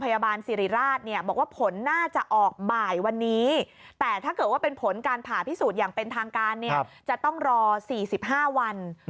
อย่างเป็นทางการเนี่ยจะต้องรอ๔๕วัน